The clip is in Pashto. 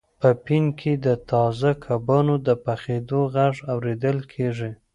په پین کې د تازه کبانو د پخیدو غږ اوریدل کیږي